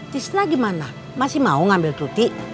cisna gimana masih mau ngambil tuti